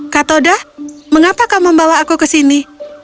katoda mengapa kau membawa aku ke sini